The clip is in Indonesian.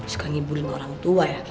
suka ngiburin orang tua ya